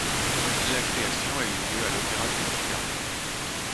La création a eu lieu à l'opéra de Monte-Carlo.